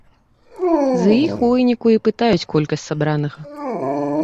З іх у выніку і пытаюць колькасць сабранага.